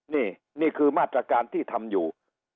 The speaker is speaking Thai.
นี่นี่คือมาตรการที่ทำอยู่